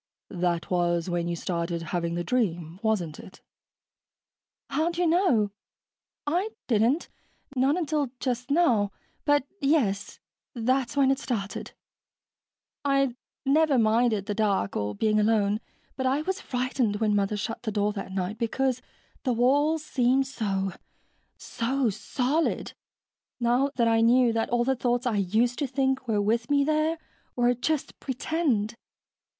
"That was when you started having the dream, wasn't it?" "How'd you know? I didn't not until just now. But, yes, that's when it started. I'd never minded the dark or being alone, but I was frightened when Mother shut the door that night, because the walls seemed so ... so solid, now that I knew all the thoughts I used to think were with me there were just pretend.